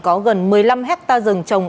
có gần một mươi năm hectare rừng trồng